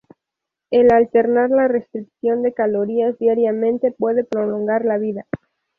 El alternar la restricción de calorías diariamente puede prolongar la vida.